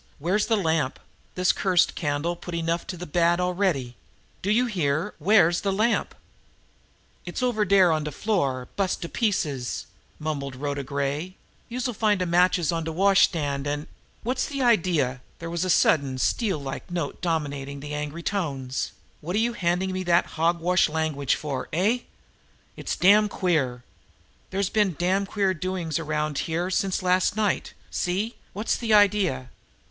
Where's the lamp? This cursed candle's put enough to the bad already! Do you hear? Where's the lamp?" "It's over dere on de floor, bust to pieces," mumbled Rhoda Gray. "Youse'll find the matches on de washstand, an " "What's the idea?" There was a sudden, steel like note dominating the angry tones. "What are you handing me that hog wash language for? Eh? It's damned queer! There's been damned queer doings around here ever since last night! See? What's the idea?"